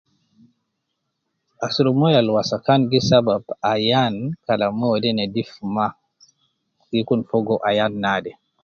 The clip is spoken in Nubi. Asurub moyo Al wasakan gi sababu Ayan Kalam moyo de nedifu maa gi Kun Fogo Ayan naad